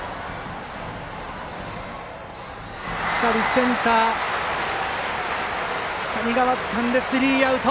センター、谷川がつかんでスリーアウト。